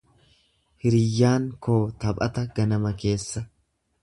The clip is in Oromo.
Hiriyyaan koo taphata ganama keessa.